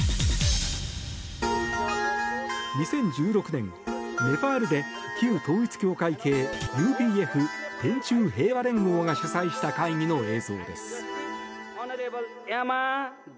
２０１６年、ネパールで旧統一教会系ＵＰＦ・天宙平和連合が主催した会議の映像です。